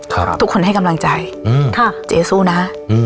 ทุกคนให้กำลังใจอืมค่ะเจ๊สู้นะอืม